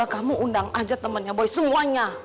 kamu undang aja temennya boy semuanya